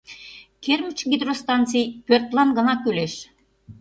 Кермыч гидростанций пӧртлан гына кӱлеш.